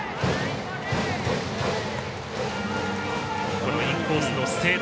このインコースの精度。